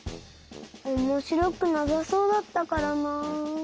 おもしろくなさそうだったからな。